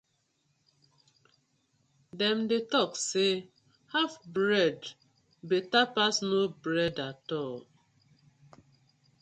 Dem dey tok say haf bread betta pass no bread atol.